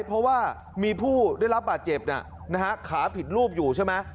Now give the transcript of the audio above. เพราะว่ามีผู้ได้รับบาดเจ็บขาผิดรูปอยู่ใช่ไหม